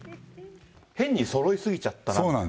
変にそろいすぎちゃったなって。